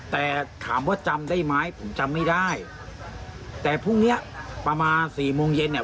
แต่ถามว่าจำได้ไหมผมจำไม่ได้แต่พรุ่งเนี้ยประมาณสี่โมงเย็นเนี่ย